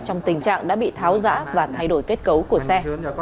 trong tình trạng đã bị tháo giã và thay đổi kết cấu của xe